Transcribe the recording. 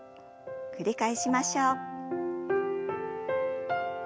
繰り返しましょう。